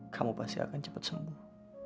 kamu pasti akan cepat sembuh